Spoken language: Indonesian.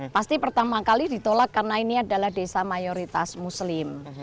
pasti pertama kali ditolak karena ini adalah desa mayoritas muslim